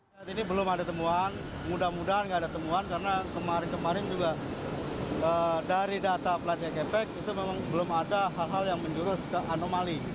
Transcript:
saat ini belum ada temuan mudah mudahan nggak ada temuan karena kemarin kemarin juga dari data pelatih kepec itu memang belum ada hal hal yang menjurus ke anomali